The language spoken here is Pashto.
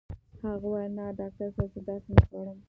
هغې وويل نه ډاکټر صاحب زه داسې نه غواړم.